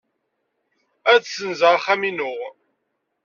Ad ssenzeɣ axxam-inu.